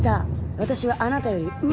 私はあなたより上！